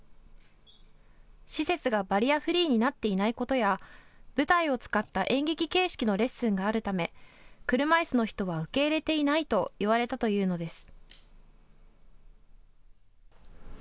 施設がバリアフリーになっていないことや舞台を使った演劇形式のレッスンがあるため車いすの人は受け入れていないと言われたというのです。